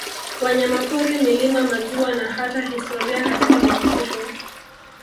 Wanyamapori milima maziwa na hata historia katika makumbusho